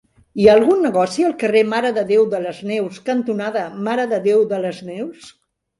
Hi ha algun negoci al carrer Mare de Déu de les Neus cantonada Mare de Déu de les Neus?